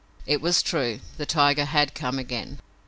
It was true. The tiger had come again!